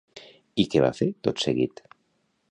I què va fer, tot seguit?